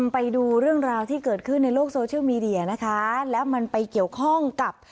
ไปดูเรื่องราวที่เกิดขึ้นในโลกโซเชียลมีเดียนะคะแล้วมันไปเกี่ยวข้องกับ